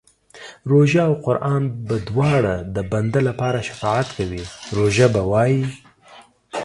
روژه او قران به دواړه د بنده لپاره شفاعت کوي، روژه به وايي